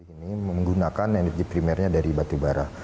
ini menggunakan energi primernya dari batubara